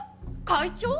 会長？